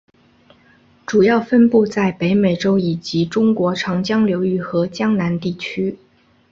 主要分布在北美洲以及中国长江流域和江南地区。